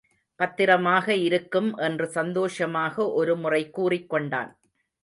பத்திரமாக இருக்கும் என்று சந்தோஷமாக ஒரு முறை கூறிக் கொண்டான்.